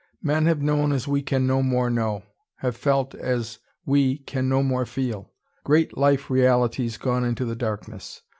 Men have known as we can no more know, have felt as we can no more feel. Great life realities gone into the darkness.